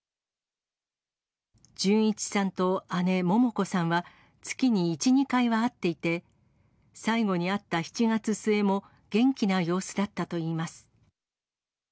純一さんと姉、桃子さんは月に１、２回は会っていて、最後に会った７月末も元気な様子だったといいます。